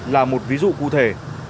là một ví dụ cụ thể